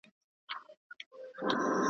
ملالۍ مي سي ترسترګو ګل یې ایښی پر ګرېوان دی .